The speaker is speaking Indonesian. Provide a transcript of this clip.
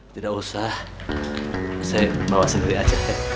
tidak usah saya bawa sendiri aja